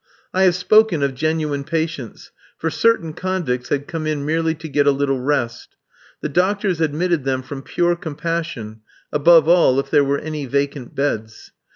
I have spoken of genuine patients, for certain convicts had come in merely to get a little rest. The doctors admitted them from pure compassion, above all, if there were any vacant beds.